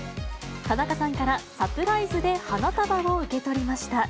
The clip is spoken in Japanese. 田中さんからサプライズで花束を受け取りました。